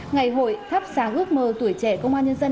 ngày hội thắp sáng ước mơ tuổi trẻ công an nhân dân